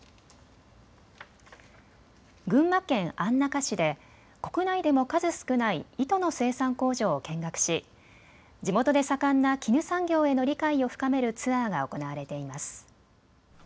群馬県安中市で国内でも数少ない糸の生産工場を見学し地元で盛んな絹産業への理解を深めるツアーが行われています。